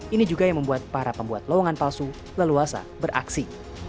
ini juga yang membuat para pembuat lowongan palsu leluasa beraksi